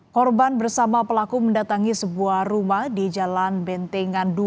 korban bersama pelaku mendatangi sebuah rumah di jalan bentengan dua